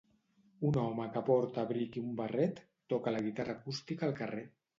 Un home que porta abric i un barret toca la guitarra acústica al carrer.